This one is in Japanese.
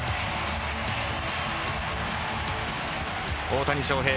大谷翔平